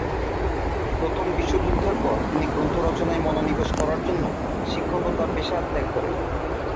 প্রথম বিশ্ব যুদ্ধের পর তিনি গ্রন্থ রচনায় মনোনিবেশ করার জন্য শিক্ষকতা পেশা ত্যাগ করেন।